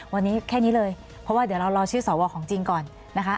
วันนี้แค่นี้เลยเพราะว่าเดี๋ยวเรารอชื่อสวของจริงก่อนนะคะ